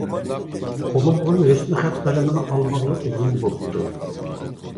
قولۇمغا ھۆسنخەت قەلىمىنى ئالمىغىلى ئۇزۇن بولۇپتۇ.